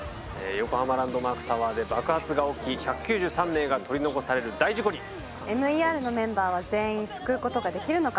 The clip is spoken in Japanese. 横浜ランドマークタワーで爆発が起き１９３名が取り残される大事故にＭＥＲのメンバーは全員救うことができるのか？